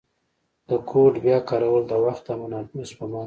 د کوډ بیا کارول د وخت او منابعو سپما کوي.